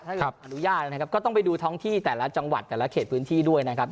อนุญาตนะครับก็ต้องไปดูท้องที่แต่ละจังหวัดแต่ละเขตพื้นที่ด้วยนะครับ